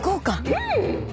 うん！